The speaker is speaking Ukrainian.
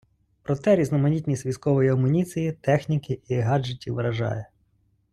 Проте різноманітність військової амуніції, техніки і гаджетів вражає.